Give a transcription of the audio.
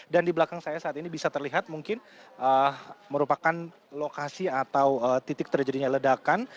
dan di belakang saya saat ini bisa terlihat mungkin merupakan lokasi atau titik terjadinya ledakan